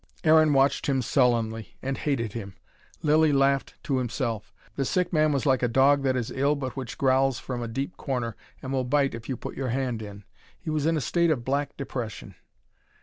Aaron watched him sullenly and hated him. Lilly laughed to himself. The sick man was like a dog that is ill but which growls from a deep corner, and will bite if you put your hand in. He was in a state of black depression.